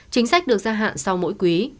chính sách được gia hạn sau mỗi quý